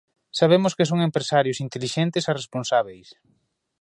Sabemos que son empresarios intelixentes e responsábeis.